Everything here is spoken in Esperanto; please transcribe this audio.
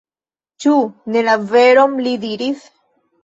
Ĉu ne la veron li diris?